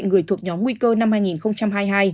người thuộc nhóm nguy cơ năm hai nghìn hai mươi hai